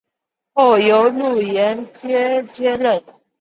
后由陆联捷接任。